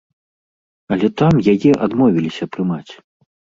Але там яе адмовіліся прымаць!